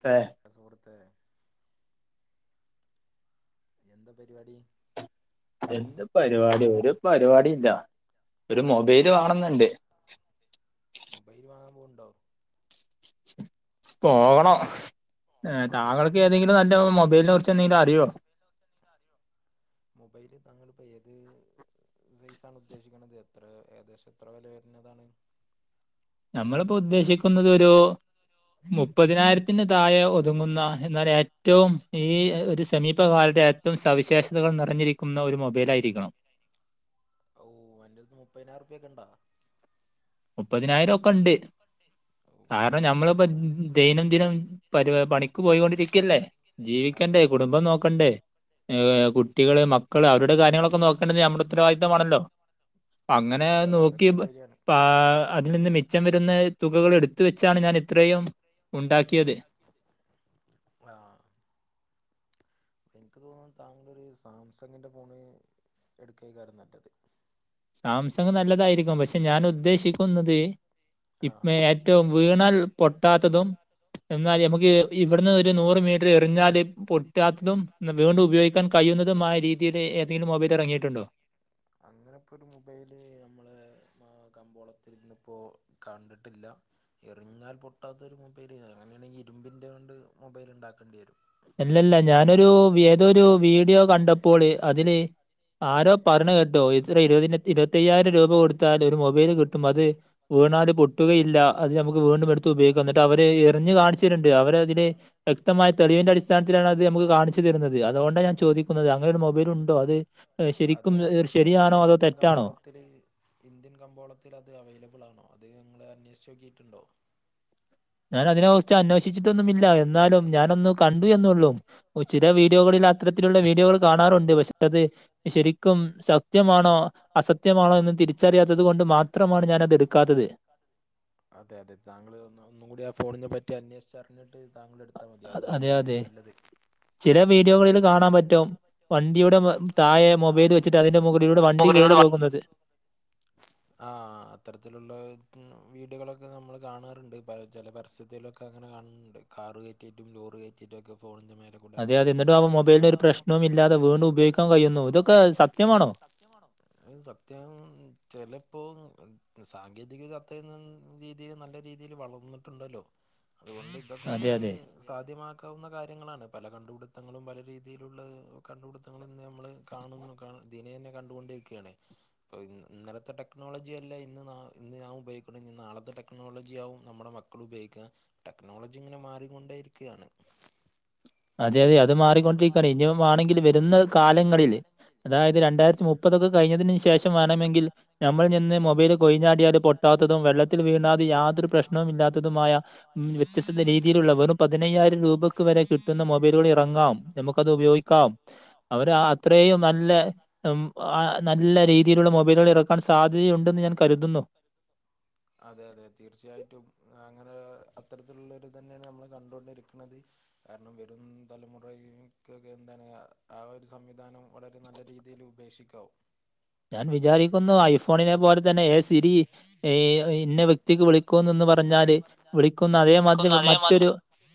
തേ കേസ് കൊടുത്ത് എന്ത പരിപാടി? എന്ത് പരിപാടി ഒരു പരിപാടില്ല ഒര് മൊബൈല് വാങ്ങണന്ന്ണ്ട് മൊബൈല് വാങ്ങാൻ പോവ്ണ്ടോ? പോകണം താങ്കൾക്ക് ഏതെങ്കിലും നല്ല മൊബൈലിനെ കുറിച്ചെന്തെങ്കിലും അറിയോ? മൊബൈല് താങ്കള്പ്പൊ ഏത് സൈസാണ് ഉദ്ദേശിക്ക്ണത് എത്ര ഏകദേശെത്ര വെല വര്ണതാണ്? നമ്മള്പ്പൊ ഉദ്ദേശിക്കുന്നത് ഒരു മുപ്പതിനായിര ത്തിന് തായെ ഒതുങ്ങുന്ന എന്നാലേറ്റവും ഈ ഒര് സമീപകാലത്തെ ഏ റ്റും സവിശേഷതകൾ നിറഞ്ഞിരിക്കുന്ന ഒര് മൊബൈലായിരിക്കണം ഔ അൻ്റെട്ത്ത് മുപ്പയ്നായിറുപ്യൊക്കെണ്ടാ? മുപ്പതിനായിരം ഒക്കെ ഉണ്ട് നായരും ഉണ്ട് കാരണം ഞമ്മള്പ്പം ദൈനം ദിനം പരി പണിക്ക് പോയി കൊണ്ടിരിക്കല്ലേ ജീവിക്കണ്ടേ കുടുംബം നോക്കണ്ടേ ഏ കുട്ടികള് മക്കള് അവരുടെ കാര്യങ്ങളൊക്കെ നോക്കേണ്ടത് നമ്മുടെ ഉത്തരവാദിത്തമാണല്ലോ അങ്ങനെ അതെ അതെ നോക്കി അത് ശരിയാണ് ആ അതിൽ നിന്ന് മിച്ചം വര്ന്ന തുകകളെട്ത്ത വെച്ചാണ് ഞാനിത്രയും ഉണ്ടാക്കിയത്. ആ ഇൻക്ക് തോന്നുന്നു താങ്കളൊര് സാംസങ്ങിൻ്റെ ഫോണ് ഇട്ക്കയ്കാരം നല്ലത് സാംസങ്ങ് നല്ലതായിരിക്കും പക്ഷെ ഞാനുദ്ദേശിക്കുന്നത് ഇ ആ ഏ റ്റവും വീണാൽ പൊട്ടാത്തതും എന്നാൽ ഞമക്ക് ഇവിട്ന്ന് ഒര് നൂറ് മീ റ്ററെറിഞ്ഞാല് പൊട്ടാത്തതും വീണ്ടും ഉപയോഗിക്കാൻ കഴിയുന്നതുമായ രീ തീല് ഏതെങ്കിലും മൊബൈലെറങ്ങിയിട്ടുണ്ടോ? അങ്ങനെപ്പൊര് മൊബൈല് നമ്മള് മ കമ്പോളത്തിലിന്ന്പ്പോ കണ്ടിട്ടില്ല എറിഞ്ഞാൽ പൊട്ടാത്തൊരു മൊബൈല് അങ്ങനെയാണെങ്കി ഇരുമ്പിൻ്റെ കൊണ്ട് മൊബൈല്ണ്ടാക്കെണ്ടി വരും. അല്ലല്ല ഞാനൊരു വി ഏതൊരു വീഡിയോ കണ്ടപ്പോള് അതില് ആരോ പറിണെ കേട്ടൂ എത്ര ഇരുപ ഇരുപത്തയ്യായിരം രൂപ കൊടുത്താൽ ഒരു മൊബൈല് കിട്ടും അത് വീണാല് പൊട്ടുകയില്ല അത് നമുക്ക് വീണ്ടും എടു ത് ഉപയോഗിക്ക എന്നിട്ട് അവര് എറിഞ്ഞു കാണിച്ച്തര്ണ്ട് അവരതില് വ്യക്തമായ തെളിവിന്റെ അടിസ്ഥ അസ്ഥാനത്തിലാണ് അത് നമുക്ക് കാണിച്ചു തരുന്നത് അതുകൊണ്ടാണ് ഞാൻ ചോദിക്കുന്നത് അങ്ങനെരു മൊബൈല് ഉണ്ടോ അത് അത്ശെരിക്കും ശെരിയാണോ അതോ തെറ്റാണോ ത്തില് ഇന്ത്യൻ കമ്പോളത്തില് അത് അവൈലബിൾ ആണോ അത് നിങ്ങൾ അന്വേഷിച്ച് നോക്കിയിട്ടുണ്ടോ ഞാൻ അതിനെ കുറിച്ച് അന്വേഷിച്ചിട്ടൊന്നുമില്ല എന്നാലും ഞാനൊന്ന് കണ്ടൂ എന്നൊള്ളൂ ഓ ചില വീഡിയോകളിൽ അത്തരത്തിലുള്ള വീഡിയോകൾ കാണാറുണ്ട് പക്ഷെ അത് ശെരിക്കും സത്യമാണോ അസത്യമാണോ എന്ന് തിരിച്ചറിയാത്തത് കൊണ്ട് മാത്രമാണ് ഞാനത് എടുക്കാത്തത് അതെ അതെ താങ്കള് ഒന്നുകൂടി ആ ഫോണിനെ പറ്റി അന്വേഷിച്ച് അറിഞ്ഞിട്ട് താങ്കൾ എടുത അത് മതി അ- അതാ അതെ, ഒന്നുകൂടി അതെ. നല്ലത് ചില വീഡിയോകളിൽ കാണാൻപറ്റും വണ്ടിയുടെ തായെ മൊബൈൽ വച്ചിട്ട് അതിന്റെ മുഖ അതിലൂടെ വണ്ടി കേറി പോകുന്നത് ആഹ് അത്തരത്തിലുള്ള വീഡിയോകളൊക്കെ നമ്മൾ കാണാറുണ്ട് ചില പരസൃത്തിലൊക്കെ ഒക്കെ അങ്ങനെ കാണണ്ട് കാറ് കയറ്റിട്ടും ലോറി കയറ്റിട്ടൊക്കെ ഫോണിന്റെമേലെ അതെ അതെ ഇന്നട്ടും ആഹ് മൊബൈലിന് ഒരു പ്രശ്നവും ഇല്ലാതെ വീണ്ടും ഉപയോഗിക്കാൻ കഴിയുന്നു ഇതൊക്കെ സത്യമാണോ അത് സത്യാണോ ഉം ചെലപ്പോ സാങ്കേതിക കത്തെഴുതുന്ന രീതിൽ നല്ല രീതിൽ വളർന്നിട്ടുണ്ടല്ലോ അതുകൊണ്ട് ഇതൊക്കെ അതെ, നമക്ക് അതെ. സാധ്യമാക്കാവുന്ന കാര്യങ്ങളാണ് പല കണ്ടുപിടുത്തങ്ങളും പല രീതിയിലുള്ള കണ്ടുപിടുത്ത കാണുന്നു നമ്മള് കാണുന്നു ദിനേന കണ്ടുകൊണ്ടിരിക്കുകയാണ് പ്പൊ ഇന്നലത്തെ ടെക്നോളജി അല്ല ഇന്ന് ഇന്ന് ഞാൻ ഉപയോഗിക്കണ ഇന്ന് നാളത്തെ ടെക്നോളജിയ ആവും നമ്മുടെ മക്കൾ ഉപയോഗിക്ക ടെക്നോളജി ഇങ്ങനെ മാറികൊണ്ടേ ഇരിക്കയാണ് അതെ അതെ അത് മാറിക്കൊണ്ടിരിക്കയാണ് ഇനിയ വാണെങ്കിൽ വരുന്ന കാലങ്ങളില് അതായത് രണ്ടായിരത്തി മുപ്പതൊക്കെ കഴിഞ്ഞതിന് ശേഷമാണ് ണങ്കിൽ നമ്മൾ നിന്ന് മൊബൈൽ കൊഴിഞ്ഞാടിയാല് പൊട്ടാത്തതും വെള്ളത്തിൽ വീണാതെ യാതൊരു പ്രശ്നവും ഇല്ലാത്തതുമായ ഉം വ്യത്യസ്തത രീതിയിലുള്ള വെറും പതിനയ്യായിരം രൂപയ്ക്ക് വരെ കിട്ട് കിട്ടുന്ന മൊബൈലുകൾ ഇറങ്ങാം നമുക്കത് ഉപയോഗിക്കാം അവര് അത്രേയും നല്ല ആ നല്ല രീതി രീതിയിലുള്ള മൊബൈലുകളൊക്കെ ഇറക്കാൻ സാധ്യതയുണ്ടെന്ന് ഞാൻ കരുതുന്നു അതെ അതെ തീർച്ചയായിട്ടും അങ്ങനെ അത്തരത്തിലുള്ളൊര് ഇതന്നെയാണ് നമ്മള് കണ്ടോണ്ടിരിക്ക്ണത് കാരണം വരും തലമുറയേ ക്കൊക്കെ എന്താണ് ആഹ് ഒരു സംവിധാനം വളരെ നല്ല രീതിയിൽ ഉപ ബേഷിക്കാവൂ ഞാൻ വിചാരിക്കുന്നു ഐഫോണിനെ പോലതന്നെ ഏ സിരി ഇന്ന വെക് വെക്തിക്ക് വിളിക്കും നെന്ന് പറഞ്ഞാല് വിളിക്കുന്ന അതേമാതിരി മറ്റൊരു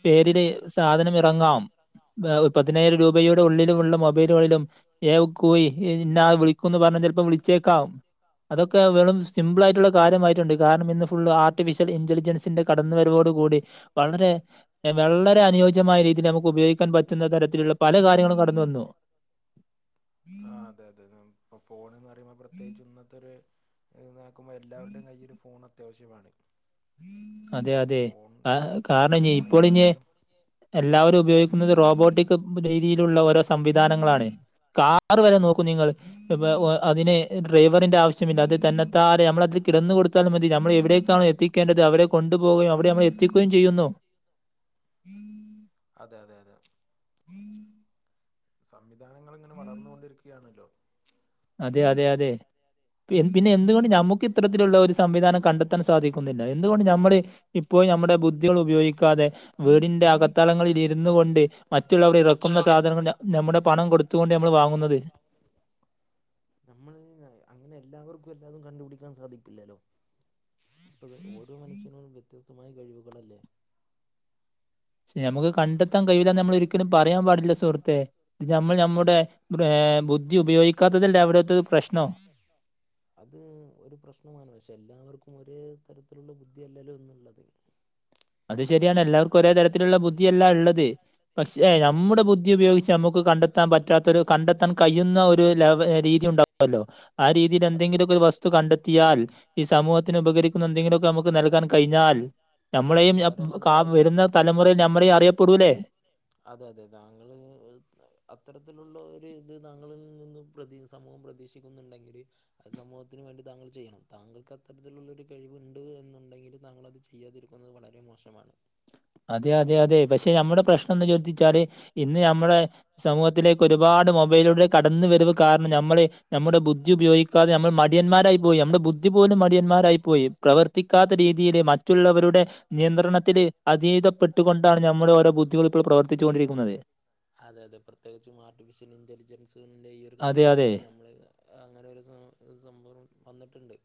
പേരില് സാധനം ഇറങ്ങാം ഇറങ്ങാം ഏഹ് പതിനായിരം രൂപയുടെ ഉള്ളിലുള്ള മൊബൈലുകളിലും ഏ കൂയി ഇഞ്ഞ ആള് വളിക്കൂന്ന് പറഞ്ഞാൽ ചെലപ്പോ വിളി ചേക്കാം അതൊക്കെ വെറും സിമ്പിൾ ആയിട്ടുള്ള കാര്യമായിട്ടുണ്ട് കാരണം ഇന്ന് ഫുൾള് ആർട്ടിഫിഷ്യൽ ഇന്റലിജൽസ് ഇതിന്റെ കടന്ന് വരവോട് കൂടി വളരെ വള്ളരെ അനുയോജ്യ രീതിയിൽ നമുക്ക് ഉപയോഗിക്കാൻ പറ്റുന്ന തരത്തിലുള്ള പല കാര്യങ്ങളും കടന്ന വന്നു ആഹ് അതെ അതെ ഇപ്പൊ ഫോണും കാര്യങ്ങളും പ്രത്യേകിച്ച് ഇന്നത്തൊര് ഇന്ന് നോക്കുമ്പോ എല്ലാവരുടെയും കയ്യില് ഫോൺ അത്യാവശ്യമാണ് അതെ അപ്പൊ അതെ ഫോൺ കാരണം ഇനി ഇപ്പോളിനി ഫോണില്ലാത്തൊരു എല്ലാവരും ഉപയോഗിക്കുന്നത് റോബോട്ടിക് രീതിയിലുള്ള ഓരോ സംവിധാനങ്ങളാണ് കാർ വരെ നോക്കൂ നിങ്ങള് പ്പം അതിന് ഡ്രൈവറിന്റെ ആവശ്യ മില്ലാ അത് തന്നെത്താനെ നമ്മളതിൽ കിന്ന് കൊടുത്താൽ മതി നമ്മൾ എവിടേക്കാണോ എത്തി ക്കേണ്ടത് അവടേ കൊണ്ടു പോവുകയും അവിടെ നമ്മളെ എത്തിക്കുകയും ചെയ്യുന്നു അതെ അതെ അതെ സംവിധാനങ്ങൾ ഇങ്ങനെ വളർന്നു കൊണ്ടിരിക്കുകയാണല്ലോ അതെ അതെ അതെ പിന്നെ എന്തുകൊണ്ട് ഞമ്മുക്ക് ഇത്തരത്തിലുള്ള ഒരു സ് സംവിധാനം കണ്ടെത്താൻ സാധിക്കുന്നില്ല എന്തുകൊണ്ട് നമ്മള് ഇപ്പോ നമ്മുടെ ബുദ്ധികൾ ഉപയോഗിക്കാതെ വീടിന്റെ അകത് ത്തളങ്ങളിൽ ഇരുന്നു കൊണ്ട് മറ്റുള്ളവർ ഇറക്കുന്ന സാധനങ്ങൾ നമ്മുടെ പണം കൊടുത്തുകൊണ്ട് നമ്മൾ വാങ്ങുന്നത് നമ്മള് അങ്ങനെ എല്ലാവർക്കും എല്ലാതും കണ്ടുപിടിക്കാൻ സാധിക്കില്ലല്ലോ ഓരോ മനുഷ്യനും വ്യത്യസ്തമായ കഴിവുകളല്ലേ ശേ നമ്മുക്ക് കണ്ടെത്താൻ കഴയില്ലാന്ന് നമ്മൾ ഒരിക്കലും പറയാൻ പാടില്ല സുഹൃത്തെ നമ്മൾ നമ്മുടെ ബുദ്ധി ഉപയോഗിക്കാത്തതല്ലേ അവിടുത്തെ പ്രശ്നം അത് ഒരു പ്രശ്നമാണ് പക്ഷെ എല്ലാവർക്കും ഒരേ തരത്തിലുള്ള ബുദ്ധിയല്ലല്ലോ ഇന്നുള്ളത് അത് ശരിയാണ് എല്ലാവർക്കും ഒരേ തരത്തിലുള്ള ബുദ്ധിയല്ല ഉള്ളത് പക്ഷേ ആ അതെ നമ്മുടെ ബുദ്ധി ഉപയോഗിച്ച് നമ്മുക്ക് കണ്ടെത്താൻ പറ്റാത്തൊരു കണ്ടെത്താൻ കഴിയുന്ന ഒരു ലവ രീതി ഉണ്ടാ വുല്ലോ ആ രീതിയിൽ അത് എന്തെങ്കിലുമൊക്കൊ ഒരു വസ് തു കണ്ടെത്തിയാൽ ഈ സമൂഹത്തിന് ഉപകരിക്കുന്ന എന്തെങ്കിലുമൊക്കെ നമുക്ക് നൽകാൻ കഴിഞ്ഞാൽ നമ്മളെയും അ വളരെ ക നല്ലതായിരിക്കും വരുന്ന തലമുറയിൽ നമ്മളെയും അറിയപ്പെടൂല്ലേ അതെ അതെ താങ്കള് അത്തരത്തിലുള്ള ഒരു ഇത് താങ്കള് നിന്നും പ്രതീ സമൂഹം പ്രതീക്ഷിക്കുന്നുണ്ടെങ്കിൽ അത് സമൂഹത്തിന് വേണ്ടി താങ്കൾ ചെയ്യണം താങ്കൾക്ക് അത്തരത്തിലുള്ള ഒരു കഴിവുണ്ട് എന്നുണ്ടെങ്കിൽ താങ്കൾ അത് ചെയ്യാതിരിക്കുന്നത് വളരെ മോശമാണ് അതെ അതെ അതെ പക്ഷെ നമ്മുടെ പ്രശ്നം എന്ന് ചോദിച്ചാല് ഇന്ന് നമ്മുടെ സമൂഹത്തിലേ ഒരുപാട് മൊബൈലിലൂടെ കടന്ന് വരവ് കാരണം നമ്മളെ നമ്മുടെ ബുദ്ധി ഉപയോഗിക്കാതെ നമ്മൾ മടിയന്മാരായി പോയി നമ്മുടെ ബുദ് ഇതുപോലും മടിയന്മാരായി പോയി പ്രവർത്തിക്കാത്ത രീതിയിലെ മറ്റ് മറ്റുള്ളവരുടെ നിയന്ത്രണത്തില് അതീദപ്പെട്ടുകൊണ്ടാണ് നമ്മുടെ ഓരോ ബുദ്ധികൾ ഇപ്പോൾ പ്രവർ ത്തിച്ചുകൊണ്ടിരിക്കുന്നത് അതെ അതെ പ്രത്യേകിച്ചും ആർട്ടിഫിഷ്യൽ ഇന്റലിജൻസിന്റെ ഈ ഒരു അതെ അതെ. കാലഘട്ടത്തിൽ നമ്മള് അങ്ങനെ ഒരു സം സംഭവം വന്നിട്ടുണ്ട്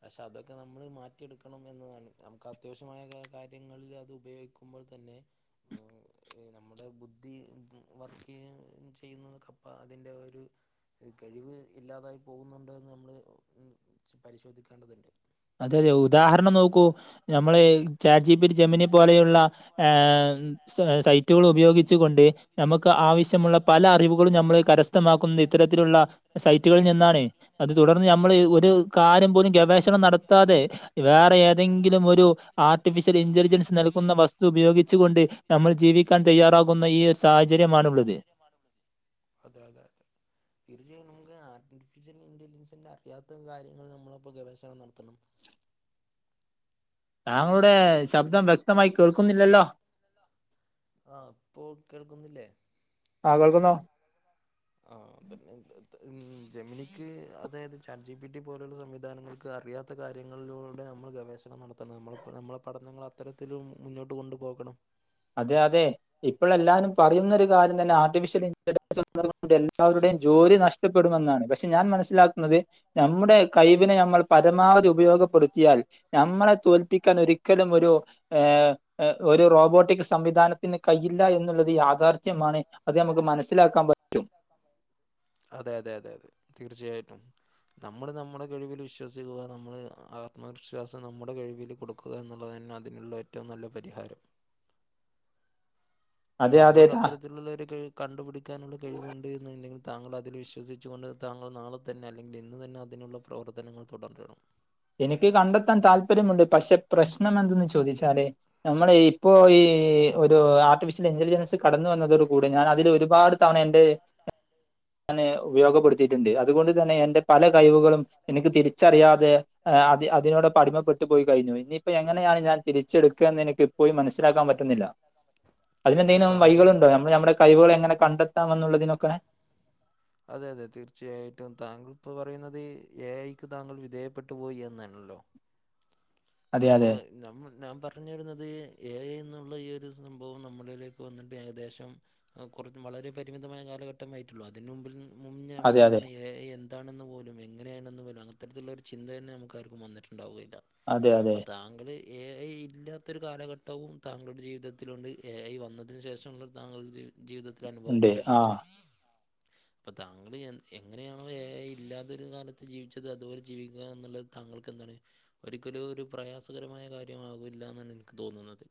പക്ഷെ അതൊക്കെ നമ്മൾ മാറ്റിയെടുക്കണം എന്നതാണ് നമുക്ക് അത്യാവശ്യമായ കാര്യങ്ങളിൽ അത് ഉപയോഗി ക്കുമ്പോൾ തന്നെ നമ്മുടെ ബുദ് ഈ വർക്ക് ചെയ്യ് ചെയ്യുന്നത്ക്കപ്പം അതിന്റെ ഒരു ഈ കഴിവ് ഇല്ലാതായി പോകുന്നുണ്ടോ എന്ന് നമ്മൾ ഉം പരിശോധിക്കേണ്ടതുണ്ട് അതെ അത് ഉദാഹരണം നോക്കൂ നമ്മള് ചാറ്റ്ജിപിടി ജമനി പോലെയുള്ള ആ സൈറ്റുകൾ ഉപയോഗിച്ചുകൊണ്ട് നമുക്ക് ആവശ്യമുള്ള പല അറിവുകളും നമ്മൾ കരസ്ഥമാക്കുന്നത് ഇത്തരത്തിലുള്ള സൈറ്റുകളിൽ നിന്നാണ് അത് തുടർന്ന് നമ്മൾ ഒരു കാര്യം പോലും ഗവേഷണം നട ത്താതെ വേറെ ഏതെങ്കിലും ഒരു ആർട്ടിഫിഷ്യൽ ഇന്റലിജൻസ് നൽകുന്ന വസ്തു ഉപയോഗിച്ചു കൊണ്ട് നമ്മൾ ജീവിക്കാൻ തയ്യാറാകുന്ന ഈ ഒരു സാഹചര്യമാണുള്ളത് [unintelligible] അതെ അതെ അതെ ഇത് ചെയ്യണെങ്കെ ആർട്ടിഫിഷ്യൽ ഇന്റലിജൻസിന്റെ അറിയാത്ത കാര്യങ്ങള് നമ്മളപ്പോ ഗവേഷണം നടത്തണം താങ്കളുടെ ശബ്ദം വ്യക്തമായി കേൾക്കുന്നില്ലല്ലോ ആഹ് ഇപ്പൊൾ കേൾക്കുന്നില്ലേ ആഹ് കേൾക്കുന്നു ആഹ് തന്നെ ജെമിനിക്ക് അതായത് ചാറ്റ്ജിപിട്ടി പോലുള്ള സംവിധാനങ്ങൾക്ക് അറിയാ ഇന്നത്തെ കാര്യങ്ങളിലൂടെ നമ്മൾ ഗവേഷണം നടത്തണം നമ്മൾ നമ്മളെ പഠനങ്ങൾ അത്തരത്തിലും മുന്നോട്ട് കൊണ്ടുപോകണം അതെ അതെ ഇപ്പളെല്ലാരും പറയുന്നൊരു കാര്യം തന്നെ ആർട്ടിഫിഷ്യൽ ഇന്റലിജൻസ് ഉള്ളത് കൊണ്ട് എല്ലാവരുടെയും ജോലി നഷ്ട പ്പെടുമെന്നാണ് പക്ഷെ ഞാൻ മനസ്സിലാക്കുന്നത് നമ്മുടെ കൈവിനെ നമ്മൾ പരമാവധി ഉപയോഗപ്പെടുത്തിയാൽ നമ്മളെ തോൽപ്പിക്കാൻ ഒരിക്കലും ഒരു ഏഹ് ഒരു റോബോട്ടിക് സംവിധാനത്തിന് കയ്യില്ല എന്നുള്ളത് യാഥാർത്ഥ്യമാണ് അത് നമുക്ക് മനസ്സിലാക്കാൻ പറ്റ് അതെ അതെ അതെ അതെ തീർച്ചയായിട്ടും നമ്മള് നമ്മുടെ കഴിവില് വിശ്വസിക്കുക നമ്മള് ആത്മവിശ്വാസം നമ്മുടെ കഴിവിൽ കൊടുക്ക ക്കുക എന്നുള്ളത് തന്നെ അതിനുള്ള ഏറ്റവും നല്ല പരിഹാരം അതെ അതെ താങ്കൾക്ക് ത അത്തരത്തിലുള്ളൊരു കഴിവ് കണ്ടുപിടിക്കാനുള്ള കഴിവുണ്ട്ന്ന്ണ്ടെങ്കിൽ താങ്കൾ അതിൽ വിശ്വസിച്ചു കൊണ്ട് താങ്കൾ നാളെ തന്നെ അല്ലെങ്കിൽ ഇന്ന് തന്നെ അതിനുള്ള പ്രവർത്തനങ്ങൾ തുടരണം എനിക്ക് കണ്ടെത്താൻ താല്പര്യമുണ്ട് പക്ഷെ പ്രശ്നം എന്തെന്ന് ചോദിച്ചാല് നമ്മൾ ഇപ്പോ ഈ ഒരു ആർട്ടിഫിഷ്യൽ ഇന്റലിജൻസ് കടന്ന് വന്നതോടു കൂടി ഞാൻ അതിലൊരുപാട് തവണ എന്റെ [unintelligible] ഞാന് ഉപയോഗപ്പെടുത്തിയിട്ടുണ്ട് അതുകൊണ്ട്തന്നെ എന്റെ പല കയിവുകളും എനിക്ക് തിരിച്ചറിയാതെ അ അതിനോടൊപ്പം അടിമപ്പെട്ടു പോയി കയിഞ്ഞു ഇനി ഇപ്പൊ എങ്ങനെയാണ് ഞാൻ തിരിച്ചെടുക്കാന്ന് എനിക്ക് ഇപ്പോഴും മനസ്സിലാക്കാൻ പറ്റുന്നില്ല അല്ല അതിനെന്തേലും താങ്കളും വൈകളുണ്ടോ നമ്മൾ നമ്മടെ കഴിവുകൾ എങ്ങനെ കണ്ടെത്താം എന്നുള്ളതിനൊക്കെ അതെയതെ തീർച്ചയായിട്ടും താങ്കളിപ്പൊ പറയുന്നത് എ ഐക്ക് താങ്കൾ വിധേയപ്പെട്ടു പോയി എന്നാണല്ലോ അതെ അപ്പൊ അതെ നമ്മൾ ഞാൻ പറഞ്ഞു വരുന്നത് എഐ ന്നുള്ള ഈ ഒരു സംഭവം നമ്മളിലേക്ക് വന്നിട്ട് ഏകദേശം കൊറച്ച് വളരെ പരിമിതമായ കാലഘട്ടമേ ആയിട്ടുള്ളൂ അതിന് മുമ്പിൽ മുന്നേ അതെ നമുക്ക് അതെ എന്താണ് യെ ഐ എന്താ ന്താണെന്ന് പോലും എങ്ങനെയാണെന്ന് പോലും അത്തരത്തിലുള്ള ഒരു ചിന്ത തന്നെ നമുക്കാർക്കും വന്നിട്ടുണ്ടാവുല്ല അതെ അതെ അപ്പൊ താങ്കള് എ ഐ ഇല്ലാത്തൊരു കാലഘട്ടവും താങ്കളുടെ ജീവിതത്തിലുണ്ട് എ ഐ വന്നതിന് ശേഷമുള്ള താങ്കളുടെ ജീ ജീവിതത്തില് ഉണ്ട് ആ അനുഭവപ്പെട്ടിട്ടുണ്ടാവും അപ്പൊ താങ്കൾ എങ്ങനെയാണോ എ ഐ ഇല്ലാതൊരു കാലത്ത് ജീവിച്ചത് അതുപോലെ ജീവിക്കുക എന്നുള്ളത് താങ്കൾക്ക് എന്താണ് ഒരിക്കലും ഒരു പ്രയാസകരമായ കാര്യമാവില്ല എന്നാണ് ഇനിക്ക് തോന്നുന്നത്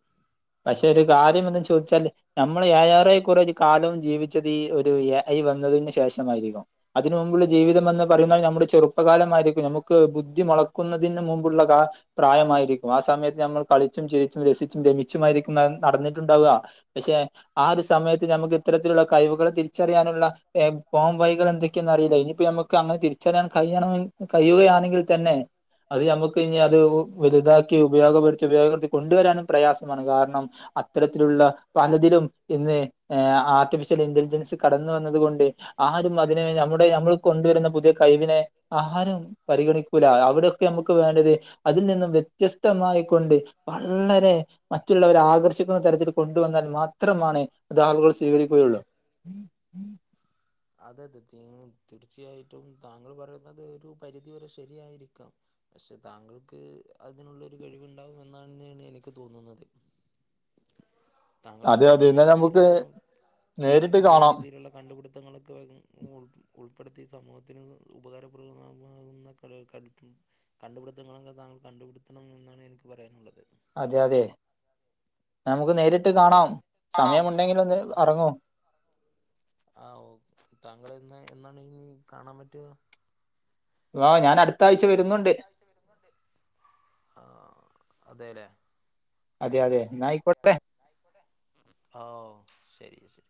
പക്ഷെ ഒരു കാര്യം എന്താ ചോദിച്ചാല് നമ്മള് യേ ആറെ കുറേ ഒരു കാലവും ജീവിച്ചത് ഈ ഒരു എ ഐ വന്നതിന് ശേഷമായിരിക്കും അതിന് മുമ്പുള്ള ജീവിതം വന്ന പറയുന്ന നമ്മുടെ ചെറുപ്പകാലമായിരിക്കും നമുക്ക് ബുദ്ധി മുളക്കുന്നതിന് മുമ്പുള്ള ക പ്രായമായിരിക്കും ആ സമയത്ത് നമ്മൾ കളിച്ചും ചിരിച്ചും രസിച്ചും രമിച്ചുമായിരിക്കും ന നടന്നിട്ടുണ്ടാവ പക്ഷെ ആ ഒരു സമയത്ത് നമുക്ക് ഇത്തരത്തിലുള്ള കഴിവുകൾ തിരിച്ചറിയാനുള്ള ഏം പോം വഴികൾ എന്തൊക്കെയെന്ന്റിയില്ല ഇനിയിപ്പ നമക്ക് അങ്ങനെ തിരിച്ചറിയാൻ കഴിയണ കഴിയുകയാണെങ്കിൽ തന്നെ അത് നമുക്കിനി അത് വലുതാക്കി ഉപയോഗപ്പെടുത്തി ഉപയോഗപ്പെടുത്തി കൊണ്ടുവരാനും പ്രയാസമാണ് കാരണം അത്തരത്തിലുള്ള പലതിലും ഇന്ന് ഏ ആർട്ടിഫിഷ്യൽ ഇന്റലിജൻസ് കടന്നു വന്നത് കൊണ്ട് ആരും അതിനെ നമ്മുടെ നമ്മൾ കൊണ്ടുവരുന്ന പുതിയ കഴിവിനെ അഹാരം പരിഗണിക്കൂല അവിടൊക്കെ നമുക്ക് വേണ്ടത് അതിൽ നിന്നും വ്യത്യസ്തമായിക്കൊണ്ട് വള്ളരെ മറ്റുള്ളവരെ ആകർഷിക്കുന്ന തരത്തിൽ കൊണ്ടുവന്നാൽ മാത്രമാണ് അതാളുകൾ സ്വീകരിക്കുകയുള്ളു. [unintelligible] അതെ അത് തീ തീർച്ചയായിട്ടും താങ്കൾ പറയുന്നത് ഒരു പരിധിവരെ ശരിയായിരിക്കാം പക്ഷെ താങ്കൾക്ക് അതിനുള്ളൊരു കഴിവുണ്ടാവും എന്നന്നേണ് എനിക്ക് തോന്നുന്നത്. താങ്കൾക്ക് അതെ അതെ പറ്റുന്ന ഇന്ന നമുക്ക് രീതിയിലൊക്കെ നേരിട്ട് പുതിയ കാണാം രീതിയിലുള്ള കണ്ടുപിടുത്തങ്ങൾക്കെ ഉ ഉൾ പ്പെടുത്തീ സമൂഹത്തിന് ഉപകാരപ്രദമാകുന്ന കളി കരുത്തും കണ്ടുപിടുത്തങ്ങളൊക്കെ താങ്കൾ കണ്ടുപുടുത്തണം എന്നാണ് എനിക്ക് പറയാനുള്ളത്. അതെയതെ നമുക്ക് നേരിട്ട് കാണാം. ആം സമയമുണ്ടെങ്കിൽ ഒന്ന് ആ ഇറങ്ങൂ ആ ഓ താങ്കളെന്ന് എന്നാണ്ഞ്ഞ് കാണാൻ പറ്റാ ആഹ് ഞാൻ അട് ആഹ് ഞാനട്ത്താഴ്ച വരുന്നുണ്ട് ആ അതെലേ അതെയതെ ന്നായിക്കോട്ടേ. ആ ഓഹ് ശരി ശരി